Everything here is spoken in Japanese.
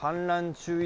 注意